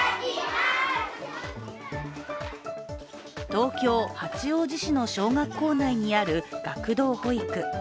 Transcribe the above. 東京・八王子市の小学校内にある学童保育。